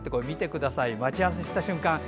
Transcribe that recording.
見てください待ち合わせした瞬間